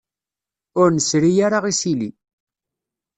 Ur nesri ara isili.